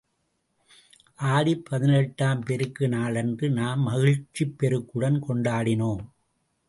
ஆடிப் பதினெட்டாம் பெருக்கு நாளன்று நாம் மகிழ்ச்சிப் பெருக்குடன் கொண்டாடினோம்.